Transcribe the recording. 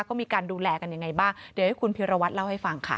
ก็มีการดูแลกันยังไงบ้างเดี๋ยวให้คุณพิรวัตรเล่าให้ฟังค่ะ